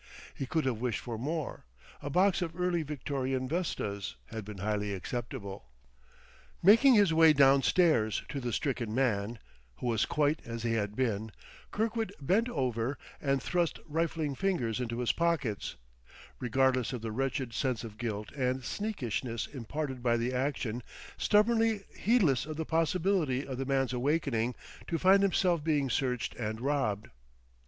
He could have wished for more; a box of early Victorian vestas had been highly acceptable. Making his way down stairs to the stricken man who was quite as he had been Kirkwood bent over and thrust rifling fingers into his pockets, regardless of the wretched sense of guilt and sneakishness imparted by the action, stubbornly heedless of the possibility of the man's awakening to find himself being searched and robbed.